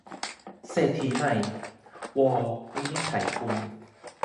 เศรษฐีใหม่ - ว วินิจฉัยกุล